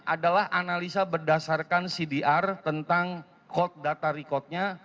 adalah analisa berdasarkan cdr tentang kode cdr